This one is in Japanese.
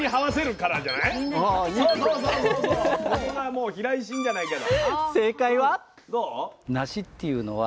ここがもう避雷針じゃないけど。